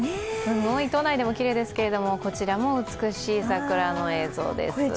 すごい、都内でもきれいですけどこちらも美しい桜の映像です。